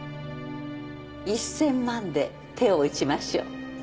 １，０００ 万で手を打ちましょう